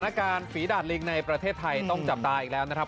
การฝีดาดลิงในประเทศไทยต้องจับตาอีกแล้วนะครับ